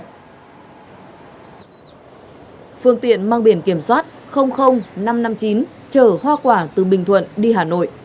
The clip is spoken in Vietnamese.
phương tiện mang biển kiểm soát năm trăm năm mươi chín chở hoa quả từ bình thuận đi hà nội